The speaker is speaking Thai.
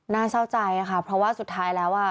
น่าเช้าใจนะคะเพราะว่าสุดท้ายแล้ว